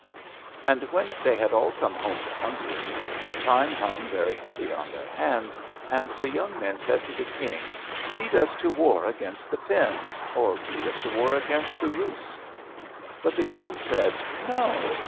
And when they had all come home to Hungary, their time hung very heavy on their hands. And the young men said to the King, "Lead us to war against the Finns, or lead us to war against the Russ." But the King said, "No!